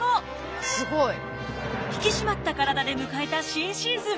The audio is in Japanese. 引き締まった体で迎えた新シーズン。